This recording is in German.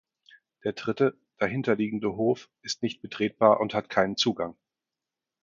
Der dritte, dahinterliegenden Hof, ist nicht betretbar und hat keinen Zugang.